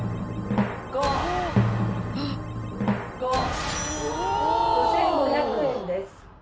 ５５００円です。